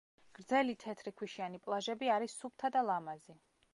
გრძელი თეთრი ქვიშიანი პლაჟები არის სუფთა და ლამაზი.